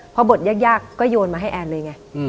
พอบทยากก็โยนมาให้แอนเลยไง